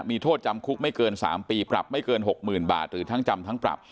มีโทษจำคุกไม่เกิน๓ปีปรับไม่เกิน๖๐๐๐บาทหรือทั้งจำทั้งปรับ